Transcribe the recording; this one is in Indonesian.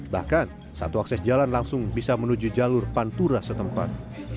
bahkan satu akses jalan langsung bisa menuju jalur pantura setempat